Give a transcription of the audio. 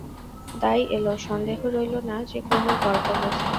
দাই এল, সন্দেহ রইল না যে কুমুর গর্ভাবস্থা।